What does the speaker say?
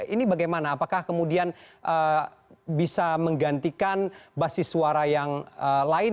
ini bagaimana apakah kemudian bisa menggantikan basis suara yang lain